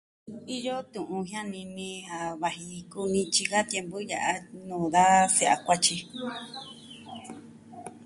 Iyo tu'un jiani ni a vaji kunityi ka tiempu ya'a nuu da se'ya kuatyi.